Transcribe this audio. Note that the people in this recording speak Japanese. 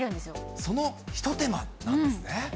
そのひと手間なんですね。